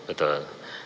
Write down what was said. apa butuh lem ibon